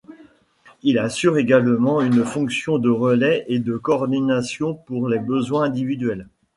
Il assure également une fonction de relais et de coordination pour les besoins individuels.